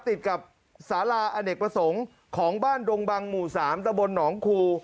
ติดกับสาราอเนกประสงค์ของบ้านดงบังหมู่๓ตะบนหนองคู